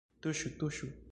Tuŝu, tuŝu